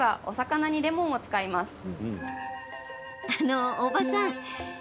あの、大場さん。